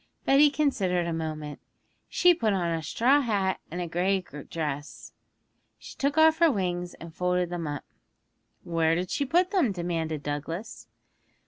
Betty considered a moment 'She put on a straw hat and a grey dress; she took off her wings and folded them up.' 'Where did she put them?' demanded Douglas.